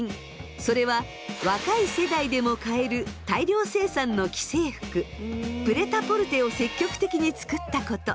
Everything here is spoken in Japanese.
それは若い世代でも買える大量生産の既製服プレタポルテを積極的に作ったこと。